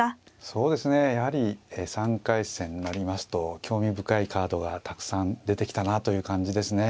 そうですねやはり３回戦になりますと興味深いカードがたくさん出てきたなという感じですね。